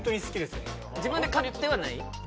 自分で飼ってはない？